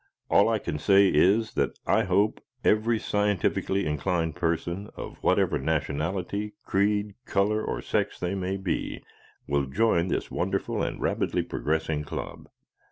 All I can say is that I hope every scientifically inclined person of whatever nationality, creed, color or sex they may be, will join this wonderful and rapidly progressing club.